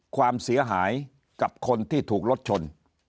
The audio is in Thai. ความเสียหายกับคนที่ถูกรถชน